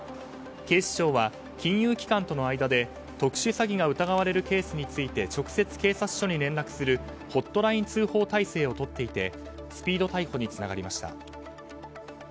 警視庁は金融機関との間で特殊詐欺が疑われるケースについて、直接警察署に連絡するホットライン通報体制をとっていてスピード逮捕につながりました。